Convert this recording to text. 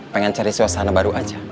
pengen cari suasana baru aja